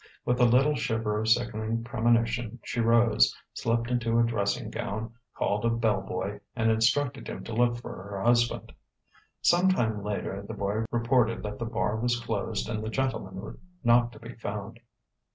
With a little shiver of sickening premonition she rose, slipped into a dressing gown, called a bell boy, and instructed him to look for her husband. Some time later the boy reported that the bar was closed and the gentleman not to be found.